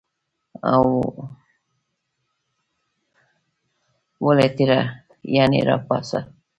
ولټیږه ..یعنی را پاڅه